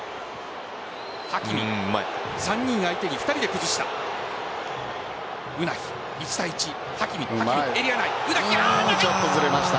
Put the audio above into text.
３人相手に２人で崩した。